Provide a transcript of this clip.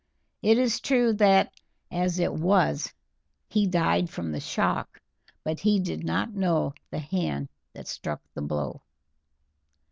It is true that, as it was, he died from the shock, but he did not know the hand that struck the blow."